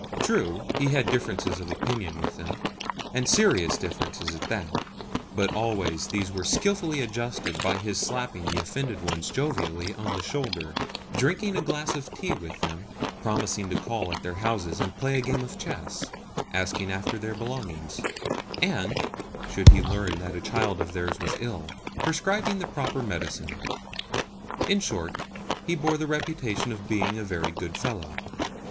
True, he had differences of opinion with them, and serious differences at that; but always these were skilfully adjusted by his slapping the offended ones jovially on the shoulder, drinking a glass of tea with them, promising to call at their houses and play a game of chess, asking after their belongings, and, should he learn that a child of theirs was ill, prescribing the proper medicine. In short, he bore the reputation of being a very good fellow.